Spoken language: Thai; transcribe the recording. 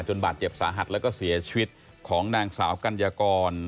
บาดเจ็บสาหัสแล้วก็เสียชีวิตของนางสาวกัญญากร